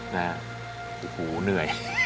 นะฮะโอ้โหเหนื่อย